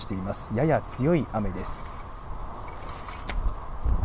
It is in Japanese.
やや強い雨です。